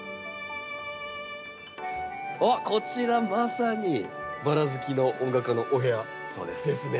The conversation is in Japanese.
おっこちらまさにバラ好きの音楽家のお部屋ですね。